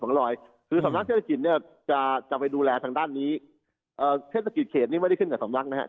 หรือซำนักเทศกิจเนี้ยจะจะไปดูแลทางด้านนี้ท่าสกิสเคส